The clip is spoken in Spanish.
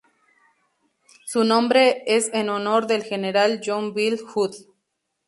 Su nombre es en honor del general John Bell Hood.